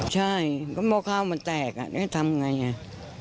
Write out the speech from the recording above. ใช่ก็เมื่อเข้ามาแตกอ่ะทำไงอ่ะ